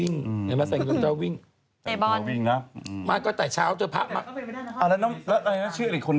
นี่มะน้ำฝน